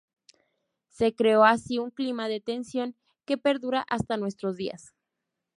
Se creó así un clima de tensión que perdura hasta nuestros días.